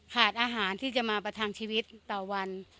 อาหารที่จะมาประทังชีวิตต่อวัน